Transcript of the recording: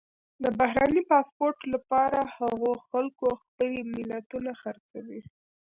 د بهرني پاسپورټ لپاره هغو خلکو خپلې ملیتونه خرڅوي.